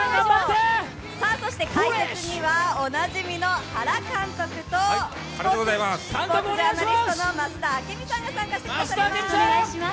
解説にはおなじみの原監督とスポーツジャーナリストの増田明美さんが参加してくださります。